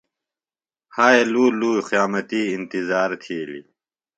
ہائے لُو لُو قیامتی انتظار تِھیلیۡ۔